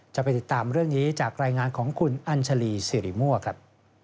จะไปติดตามเรื่องนี้จากรายงานของคุณอัญชาลีสิริมั่วครับ